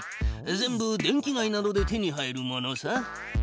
全部電気街などで手に入るものさ。